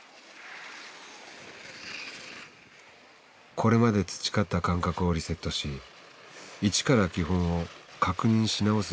これまで培った感覚をリセットし一から基本を確認し直す必要があった。